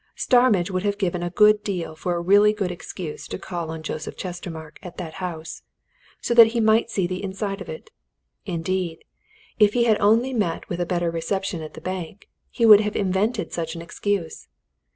Starmidge would have given a good deal for a really good excuse to call on Joseph Chestermarke at that house, so that he might see the inside of it: indeed, if he had only met with a better reception at the bank, he would have invented such an excuse.